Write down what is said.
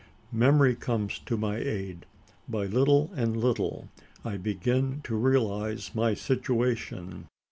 Memory comes to my aid. By little and little, I begin to realise my situation.